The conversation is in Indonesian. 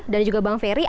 dan juga bang ferry